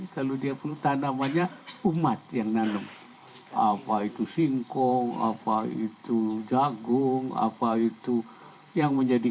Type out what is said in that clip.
kalau dia perlu tanamannya umat yang nanam apa itu singkong apa itu jagung apa itu yang menjadi